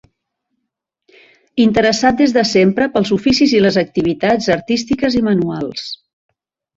Interessat des de sempre pels oficis i les activitats artístiques i manuals.